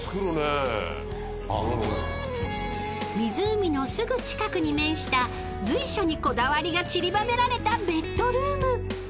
［湖のすぐ近くに面した随所にこだわりがちりばめられたベッドルーム］